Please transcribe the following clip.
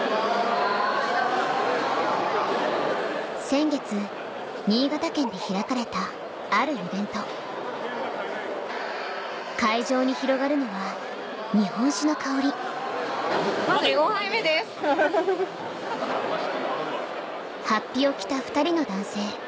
先月新潟県で開かれたあるイベント会場に広がるのは日本酒の香り法被を着た２人の男性